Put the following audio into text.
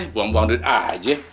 buang buang duit aja